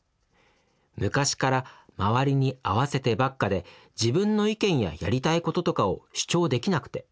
昔から周りに合わせてばっかで自分の意見ややりたいこととかを主張できなくて。